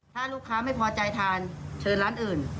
ถ้าลูกค้าไม่พอใจทานเชิญร้านอื่น